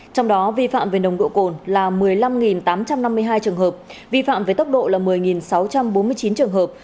trong đó vi phạm về nồng độ cồn là một mươi năm tám trăm năm mươi hai trường hợp vi phạm về tốc độ là một mươi sáu trăm bốn mươi chín trường hợp